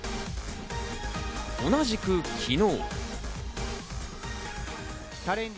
同じく昨日。